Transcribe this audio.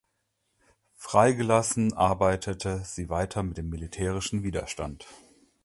Freigelassen arbeitete sie weiter mit dem militärischen Widerstand.